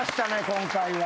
今回は。